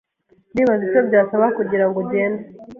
Ndibaza icyo byasaba kugirango ugende.